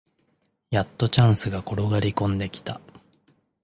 やっとチャンスが転がりこんできた